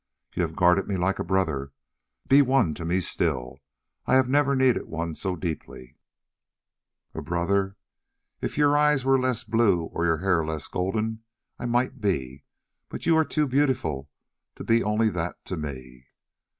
"You have guarded me like a brother. Be one to me still; I have never needed one so deeply!" "A brother? Mary, if your eyes were less blue or your hair less golden I might be; but you are too beautiful to be only that to me."